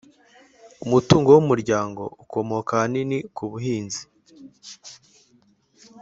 Umutungo w’umuryango ukomoka ahanini ku buhinzi